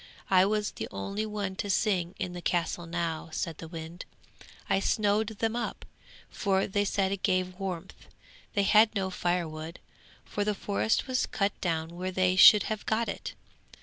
I was the only one to sing in the castle now,' said the wind. 'I snowed them up, for they said it gave warmth. They had no firewood, for the forest was cut down where they should have got it.